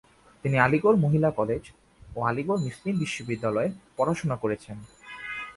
তিনি আলিগড় মহিলা কলেজ ও আলিগড় মুসলিম বিশ্ববিদ্যালয়ে পড়াশোনা করেছেন।